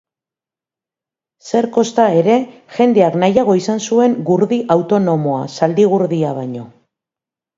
Zer kosta ere, jendeak nahiago izan zuen gurdi autonomoa, zaldi-gurdia baino.